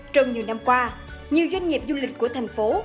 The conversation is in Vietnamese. trong nhiều năm qua nhiều doanh nghiệp du lịch của thành phố